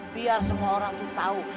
biar semua orang tuh tau